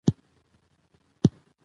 حلاله روزي برکت لري.